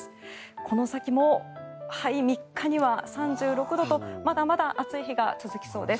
この先も３日には３６度とまだまだ暑い日が続きそうです。